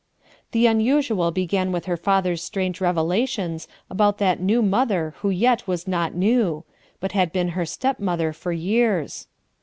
The unusual began with her father's strange revelations about that new mother who yet was not new, but had been her stepmother for years.